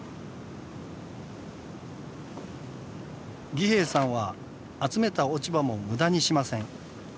儀兵衛さんは集めた落ち葉も無駄にしません。